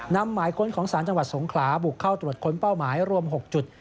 หมายค้นของสารจังหวัดสงขลาบุกเข้าตรวจค้นเป้าหมายรวม๖จุด